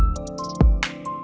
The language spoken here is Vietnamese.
năm mươi độ c